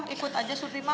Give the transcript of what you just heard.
ikut aja surti malah